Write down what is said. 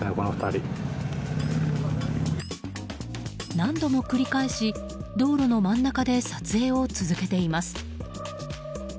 何度も繰り返し道路の真ん中で撮影を続けています。